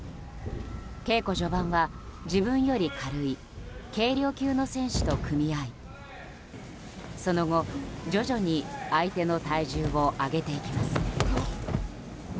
稽古序盤は自分より軽い軽量級の選手と組み合いその後、徐々に相手の体重を上げていきます。